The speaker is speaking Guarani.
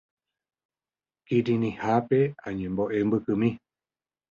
Kirirĩháme añembo'e mbykymi.